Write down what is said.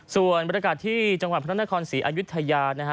ส่วนบรรยากาศที่จังหวัดพระนครศรีอายุทยานะฮะ